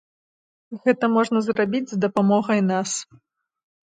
Гэта можна зрабіць з дапамогай нас.